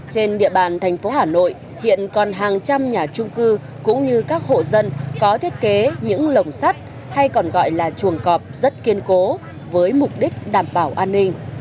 trên địa bàn thành phố hà nội hiện còn hàng trăm nhà trung cư cũng như các hộ dân có thiết kế những lồng sắt hay còn gọi là chuồng cọp rất kiên cố với mục đích đảm bảo an ninh